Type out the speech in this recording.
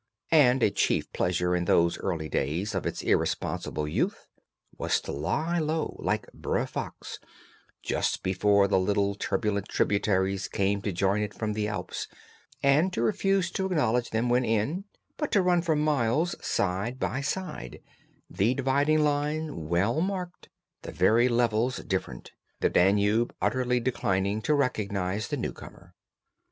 And a chief pleasure, in those early days of its irresponsible youth, was to lie low, like Brer Fox, just before the little turbulent tributaries came to join it from the Alps, and to refuse to acknowledge them when in, but to run for miles side by side, the dividing line well marked, the very levels different, the Danube utterly declining to recognize the newcomer.